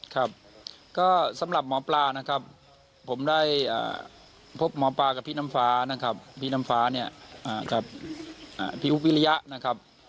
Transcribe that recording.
ครับก็สำหรับหมอปลานะครับผมได้พบหมอปลากับพี่น้ำฟ้านะครับพี่น้ำฟ้าเนี่ยกับพี่อุ๊บวิริยะนะครับ